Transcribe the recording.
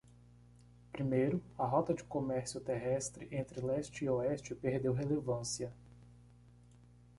Primeiro?, a rota de comércio terrestre entre leste e oeste perdeu relevância.